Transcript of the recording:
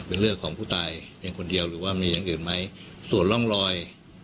เป็นเลือดของผู้ตายเพียงคนเดียวหรือว่ามีอย่างอื่นไหมส่วนร่องรอย